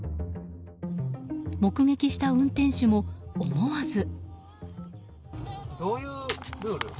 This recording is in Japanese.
目撃した運転手も思わず。